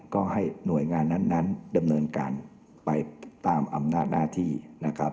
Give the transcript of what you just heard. ก็ให้หน่วยงานนั้นดำเนินการไปตามอำนาจหน้าที่นะครับ